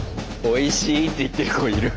おいしいって言ってる子いる。